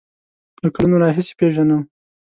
له کلونو راهیسې پیژنم.